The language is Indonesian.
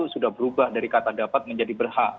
sudah berubah dari kata dapat menjadi berhak